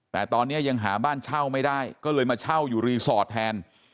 แต่ตอนนี้ยังหาบ้านเช่าไม่ได้ก็เลยมาเช่าอยู่รีสอร์ทแทน